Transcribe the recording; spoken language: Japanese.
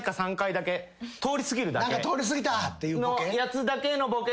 何か通り過ぎた！っていうボケ。